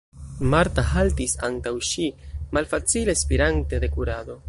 Marta haltis antaŭ ŝi, malfacile spirante de kurado.